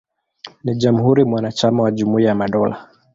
Ni jamhuri mwanachama wa Jumuiya ya Madola.